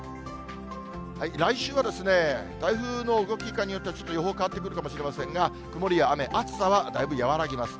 来週は台風の動きいかんによっては、ちょっと予報変わってくるかもしれませんが、曇りや雨、暑さはだいぶ和らぎます。